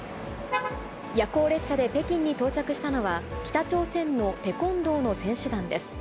夜行列車で北京に到着したのは、北朝鮮のテコンドーの選手団です。